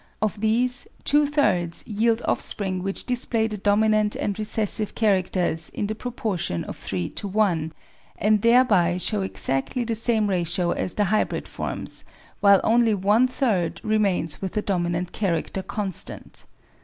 Of these ^wo thirds yield offspring which display the dominant and recessive char acters in the proportion of 3 to 1, and thereby show exactly the same ratio as the hybrid forms, while only one third remains with the dominant character constant.